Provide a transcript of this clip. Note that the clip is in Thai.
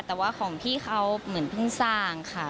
แต่ว่าของพี่เขาเหมือนเพิ่งสร้างค่ะ